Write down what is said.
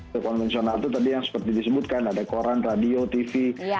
truk konvensional itu tadi yang seperti disebutkan ada koran radio tv